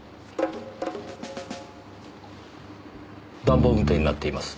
暖房運転になっています。